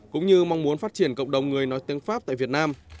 cũng như mong muốn phát triển cộng đồng người nói tiếng pháp tại việt nam